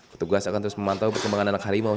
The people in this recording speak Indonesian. petugas akan terus memantau perkembangan anak harimau